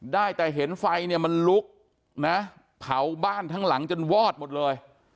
ได้แต่เห็นไฟเนี่ยมันลุกนะเผาบ้านทั้งหลังจนวอดหมดเลย